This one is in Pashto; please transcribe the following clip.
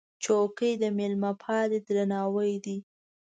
چوکۍ د مېلمهپالۍ درناوی دی.